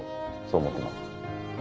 そう思っています。